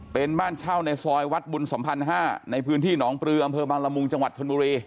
เป็นบ้านเช่าในซอยวัดบุญสัมพันธ์๕ในพื้นที่หนองปลืออำเภอบางละมุงจังหวัดชนบุรี